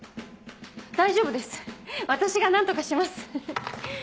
大丈夫です私が何とかします。